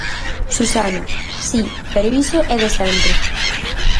Susana: Si, pero iso é de sempre.